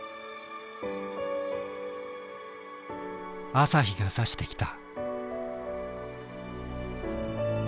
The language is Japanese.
朝日がさしてきた。